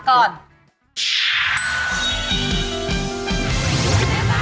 สุดเร็วมากสุดยอด